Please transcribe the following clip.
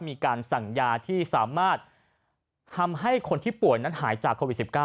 มีการสั่งยาที่สามารถทำให้คนที่ป่วยนั้นหายจากโควิด๑๙